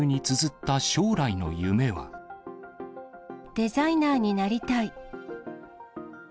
デザイナーになりたい。